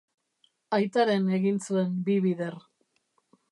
Aitaren egin zuen bi bider.